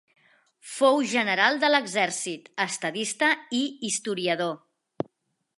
Fou general de l'exèrcit, estadista i historiador.